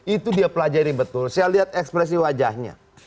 itu dia pelajari betul saya lihat ekspresi wajahnya